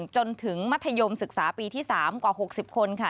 จนถึงมัธยมศึกษาปีที่๓กว่า๖๐คนค่ะ